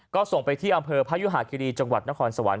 ก็ส่งไปที่อำเภอพยุหาคิรีจังหวัดนครสวรรค